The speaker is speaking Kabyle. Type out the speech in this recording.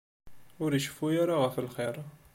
Ur iceffu ara ɣef lxir.